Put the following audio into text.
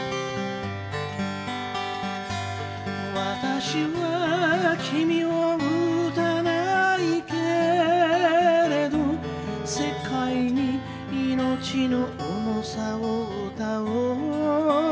「わたしは君を撃たないけれど世界に生命の重さを歌おう」